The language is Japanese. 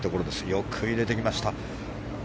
よく入れてきました。